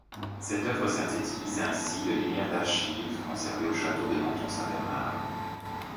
Ce œuvre synthétise ainsi de linéaires d'archives conservées au château de Menthon-Saint-Bernard.